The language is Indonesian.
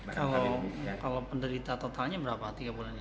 kalau penderita totalnya berapa